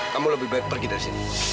kamu lebih baik pergi dari sini